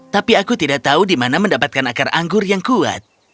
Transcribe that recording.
tapi aku tidak tahu di mana mendapatkan akar anggur yang kuat